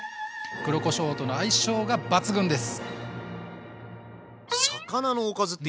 黒こしょうとの相性が抜群です！